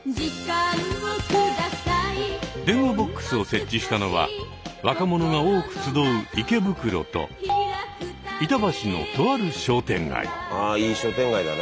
電話ボックスを設置したのは若者が多く集う池袋と板橋のとある商店街。